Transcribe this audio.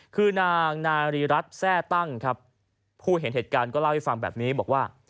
คือนางนารีรัฐแทร่ตั้งครับผู้เห็นเหตุการณ์ก็เล่าให้ฟังแบบนี้บอกว่า